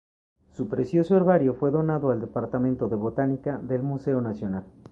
Su precioso herbario fue donado al Departamento de botánica del Museo Nacional.